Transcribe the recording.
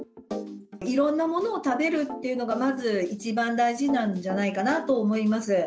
いろんなものを食べるっていうのが、まず一番大事なんじゃないかなと思います。